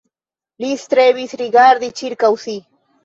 Li strebis rigardi ĉirkaŭ si.